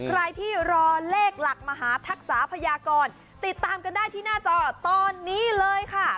ใครที่รอเลขหลักมหาทักษะพยากรติดตามกันได้ที่หน้าจอตอนนี้เลยค่ะ